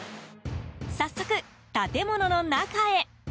早速、建物の中へ。